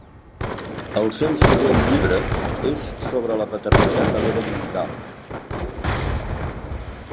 El seu següent llibre és sobre la paternitat a l"era digital.